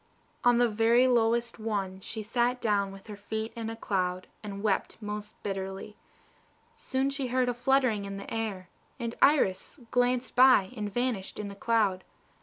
On the very lowest one she sat down with her feet in a cloud, and wept most bitterly. Soon she heard a fluttering in the air, and Iris glanced by and vanished in the cloud.